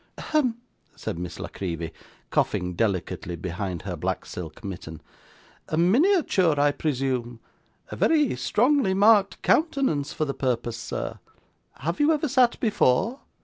'Hem!' said Miss La Creevy, coughing delicately behind her black silk mitten. 'A miniature, I presume. A very strongly marked countenance for the purpose, sir. Have you ever sat before?